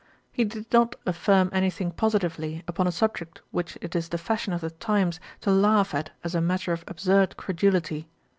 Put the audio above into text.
He did not affirm anything positively upon a subject which it is the fashion of the times to laugh at as a matter of absurd credulity.